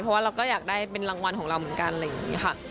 เพราะว่าเราก็อยากได้เป็นรางวัลของเราเหมือนกันอะไรอย่างนี้ค่ะ